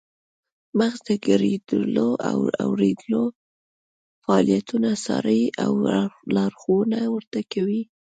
مغزه د ګړیدلو او اوریدلو فعالیتونه څاري او لارښوونه ورته کوي